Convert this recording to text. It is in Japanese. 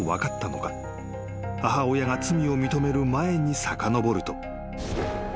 ［母親が罪を認める前にさかのぼると］